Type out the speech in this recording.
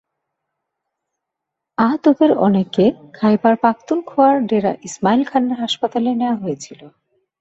আহতদের অনেককে খাইবার পাখতুনখোয়ার ডেরা ইসমাইল খানের হাসপাতালে নেওয়া হয়েছিল।